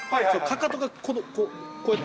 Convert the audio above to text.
かかとがこうやって。